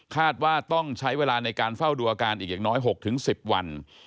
ว่าต้องใช้เวลาในการเฝ้าดูอาการอีกอย่างน้อย๖๑๐วัน